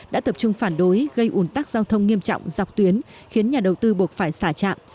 đã tập trung phản đối gây ủn tắc giao thông nghiêm trọng dọc tuyến khiến nhà đầu tư buộc phải xả trạm